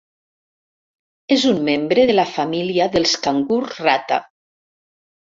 És un membre de la família dels cangurs rata.